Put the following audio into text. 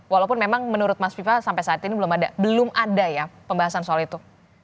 walaupun memang menurut mas viva sampai saat ini belum ada ya pembahasan soal itu